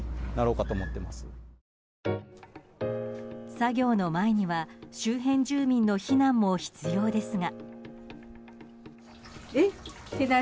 作業の前には周辺住民の避難も必要ですが。